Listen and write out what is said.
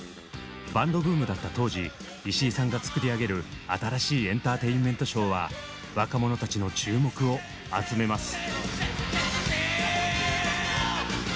バンドブームだった当時石井さんが作り上げる新しいエンターテインメントショーは若者たちの注目を集めます。